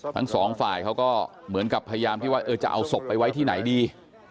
ทั้งสองฝ่ายเขาก็เหมือนกับพยายามที่ว่าเออจะเอาศพไปไว้ที่ไหนดี